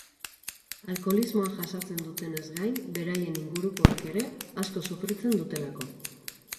Alkoholismoa jasaten dutenez gain, beraien ingurukoek ere asko sufritzen dutelako.